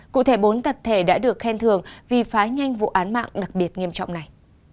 cụ thể bốn tập thể đã được khen thường vì phá nhanh vụ án mạng đặc biệt nghiêm trọng này